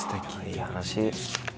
いい話。